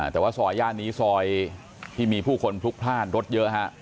แต่ว่าซอยย่านนี้ซอยที่มีผู้คนพลุกพลาดรถเยอะฮะ